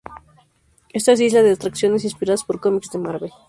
Esta isla tiene atracciones inspiradas por cómics de Marvel.